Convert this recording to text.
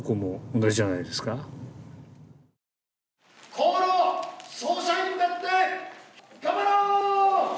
河野総裁に向かって頑張ろう。